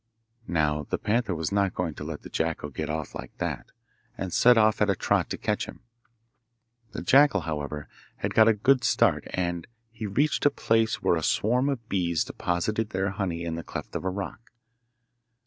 Now the panther was not going to let the jackal get off like that, and set off at a trot to catch him. The jackal, however, had got a good start, and he reached a place where a swarm of bees deposited their honey in the cleft of a rock.